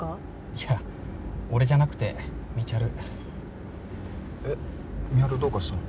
いや俺じゃなくてみちゃるえっ美晴どうかしたの？